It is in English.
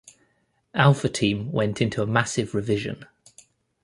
Alpha Team went into a massive revision.